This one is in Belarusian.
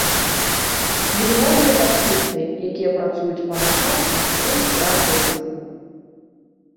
Нелегальныя таксісты, якія працуюць па начах на свой страх і рызыку.